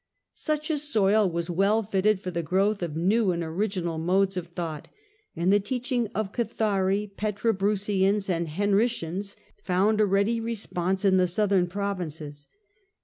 Such a soil was well fitted for the growth of new and original modes of thought, and the teacliing of Cathari, "Pefcrobrussians," and "Henricians" (see p. 121) found a ready response in the southern provinces.